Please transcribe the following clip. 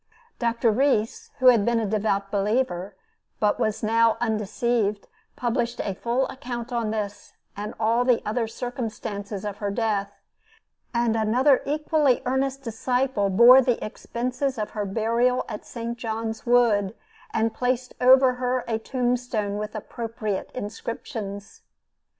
Dr. Reece, who had been a devout believer, but was now undeceived, published a full account of this and all the other circumstances of her death, and another equally earnest disciple bore the expenses of her burial at St. John's Wood, and placed over her a tombstone with appropriate inscriptions.